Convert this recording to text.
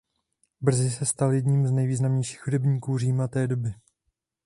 Brzy se stal jedním z nejvýznamnějších hudebníků Říma té doby.